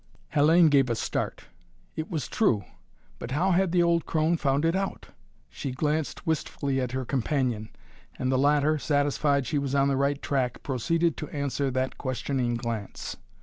Hellayne gave a start. It was true! But how had the old crone found it out! She glanced wistfully at her companion, and the latter, satisfied she was on the right track, proceeded to answer that questioning glance.